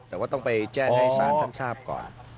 แต่ว่าต้องไปแจ้งให้ศาลท่านทราบก่อน